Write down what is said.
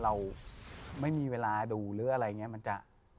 เราไม่มีเวลาดูหรืออะไรอย่างนี้มันจะ